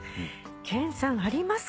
研さんありますか？